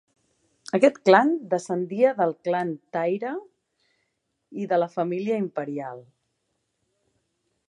Aquest clan descendia del clan Taira i de la família imperial.